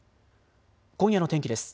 今夜の天気です。